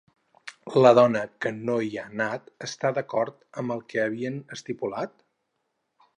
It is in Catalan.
La dona que no hi ha anat està d'acord amb el que havien estipulat?